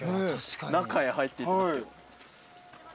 中へ入っていきますけど。